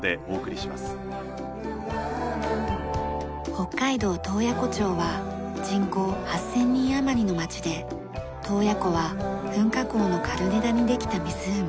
北海道洞爺湖町は人口８０００人余りの町で洞爺湖は噴火口のカルデラにできた湖。